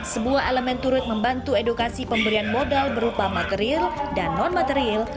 sebuah elemen turut membantu edukasi pemberian modal berupa material dan non material